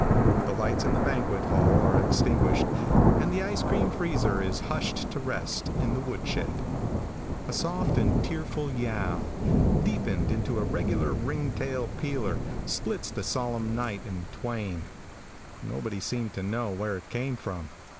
The lights in the banquet hall are extinguished, and the ice cream freezer is hushed to rest in the wood sned. A soft and tearful yowl, deepened into a regular ring tail peeler, splits the solemn night in twain. Nobody seemed to know where it came from.